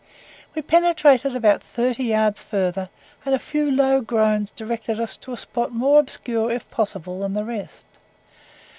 We penetrated about thirty yards farther, and a few low groans directed us to a spot more obscure, if possible, than the rest.